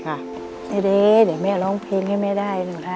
ไอ้เดช์เดี๋ยวแม่เราองเพลงให้แม่ได้